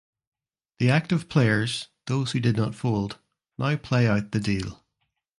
The active players (those who did not fold) now play out the deal.